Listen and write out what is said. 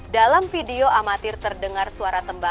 dalam video amatir terdengar suara tembak